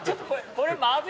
これ。